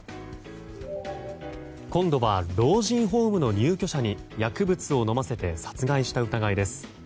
今度は老人ホームの入居者に薬物を飲ませて殺害した疑いです。